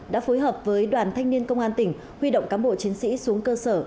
đã phối hợp với đoàn thanh niên công an tỉnh huy động cán bộ chiến sĩ xuống cơ sở